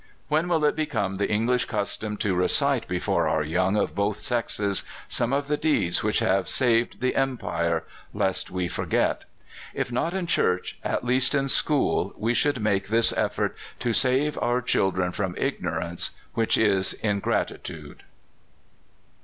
When will it become the English custom to recite before our young of both sexes some of the deeds which have saved the Empire, "lest we forget"? If not in church, at least in school, we should make this effort to save our children from ignorance, which is ingratitude.